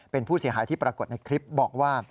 เป็นผู้เสียหายที่ปรากฏในคลิปบอกว่า